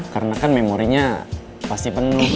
karena kan memorinya pasti penuh